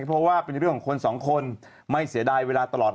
ในเรื่องของคนสองคนไม่เสียดายเวลาตลอด